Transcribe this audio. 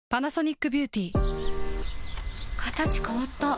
形変わった。